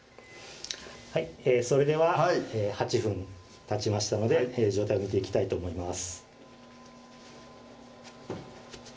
はいそれでは８分たちましたので状態を見ていきたいと思います